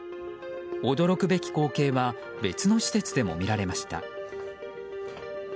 驚くべき光景は別の施設でも見られました。